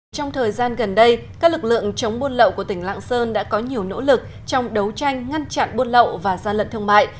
trong thời gian gần đây các lực lượng chống buôn lậu của tỉnh lạng sơn đã có nhiều nỗ lực trong đấu tranh ngăn chặn buôn lậu và gian lận thương mại